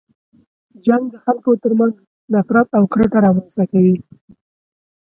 جنګ د خلکو تر منځ نفرت او کرکه رامنځته کوي.